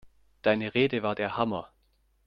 Deine Rede war der Hammer!